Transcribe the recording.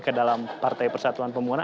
ke dalam partai persatuan pembangunan